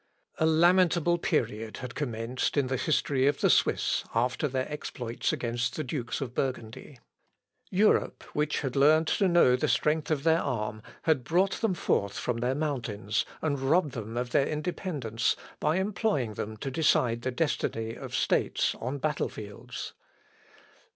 A lamentable period had commenced in the history of the Swiss after their exploits against the dukes of Burgundy. Europe, which had learned to know the strength of their arm, had brought them forth from their mountains, and robbed them of their independence, by employing them to decide the destiny of states on battle fields.